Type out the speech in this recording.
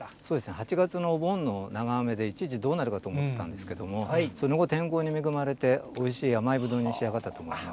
８月のお盆の長雨で一時どうなるかと思ってたんですけれども、その後、天候に恵まれて、おいしい甘いぶどうに仕上がったと思います。